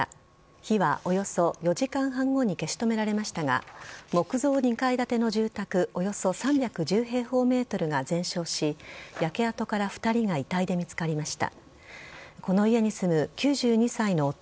火はおよそ４時間半後に消し止められましたが木造２階建ての住宅およそ３１０平方ｍが全焼し焼け跡から２人が遺体で見つかりました。